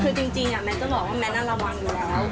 คือจริงแมทจะบอกว่าแมทนั้นระวังอยู่แล้ว